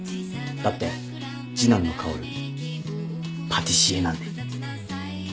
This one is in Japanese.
だって次男の薫パティシエなんで。